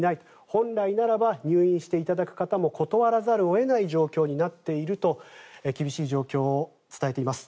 本来ならば入院していただく方も断らざるを得ない状況になっていると厳しい状況を伝えています。